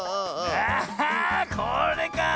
あっこれかあ！